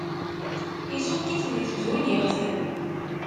Issukk-it di tzulixt.